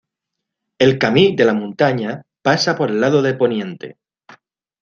El Camí de la Muntanya pasa, por el lado de poniente.